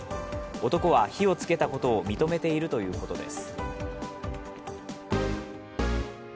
男は、火をつけたことを認めているということです。